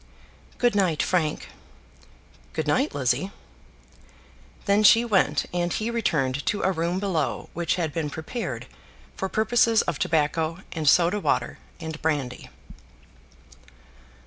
"Good night, Frank." "Good night, Lizzie." Then she went, and he returned to a room below which had been prepared for purposes of tobacco and soda water and brandy.